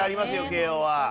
慶應は。